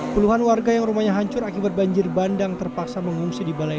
puluhan warga yang rumahnya hancur akibat banjir bandang terpaksa mengungsi di balai